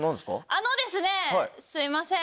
あのですねすいません。